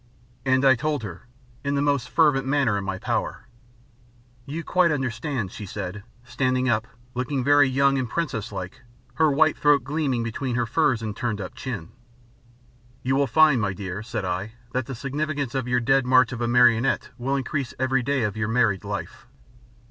And I told her, in the most fervent manner in my power. "You quite understand?" she said, standing up, looking very young and princess like, her white throat gleaming between her furs and up turned chin. "You will find, my dear," said I, "that the significance of your Dead March of a Marionette will increase every day of your married life."